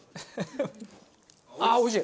ああおいしい！